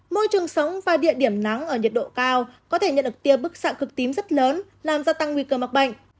môi trường sống và địa điểm nắng ở nhiệt độ cao có thể nhận được tiêu bức sạc cực tím rất lớn làm gia tăng nguy cơ mặc bệnh